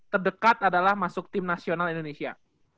terdekat adalah masuk tim nasional indonesia